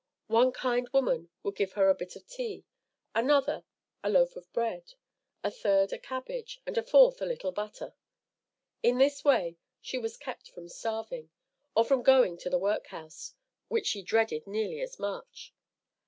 One kind woman would give her a bit of tea, another a loaf of bread, a third a cabbage, and a fourth a little butter. In this way she was kept from starving, or from going to the workhouse, which she dreaded nearly as much.